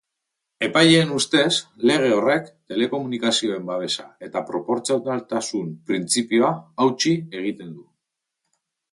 Epaileen ustez, lege horrek telekomunikazioen babesa eta proportzionaltasun printzipioa hautsi egiten du.